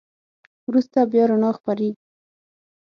وروسته بیا رڼا خپرېږي.